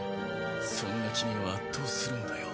そんな君を圧倒するんだよ